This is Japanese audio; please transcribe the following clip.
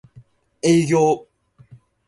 営業